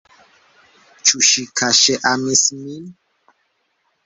Ĉu ŝi kaŝe amis min?